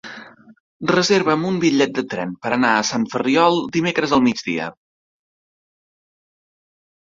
Reserva'm un bitllet de tren per anar a Sant Ferriol dimecres al migdia.